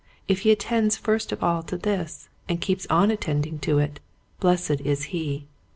If he attends first of all to this and keeps on attending to it blessed is he.